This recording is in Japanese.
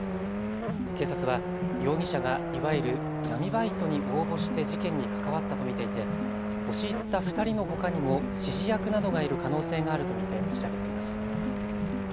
警察は容疑者がいわゆる闇バイトに応募して事件に関わったと見ていて押し入った２人のほかにも指示役などがいる可能性があると見て調べています。